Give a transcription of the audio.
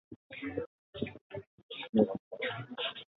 Azken bi edizioetan, aldiz, lau aldiz irabazi zuen.